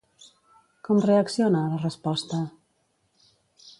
Com reacciona a la resposta?